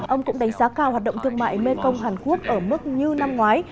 ông cũng đánh giá cao hoạt động thương mại mekong hàn quốc ở mức như năm ngoái